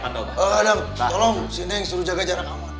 kadang tolong sini suruh jaga jarak aman